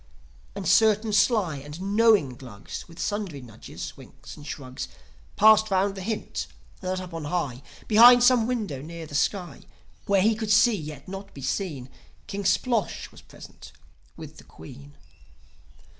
And certain sly and knowing Glugs, With sundry nudges, winks and shrugs, Passed round the hint that up on high, Behind some window near the sky, Where he could see yet not be seen, King Splosh was present with his Queen.